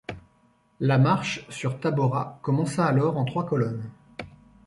La marche sur Tabora commença alors en trois colonnes.